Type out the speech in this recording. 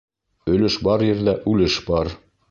Өлөш бар ерҙә үлеш бар.